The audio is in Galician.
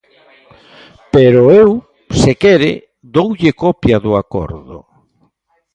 Pero eu, se quere, doulle copia do acordo.